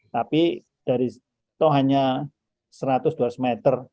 tapi dari itu hanya seratus dua ratus meter